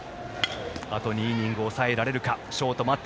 あと２イニング抑えられるか。